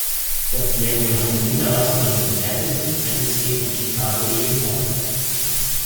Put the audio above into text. Das Label hatte Niederlassungen in Madison, Tennessee und Chicago, Illinois.